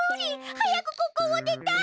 はやくここをでたい！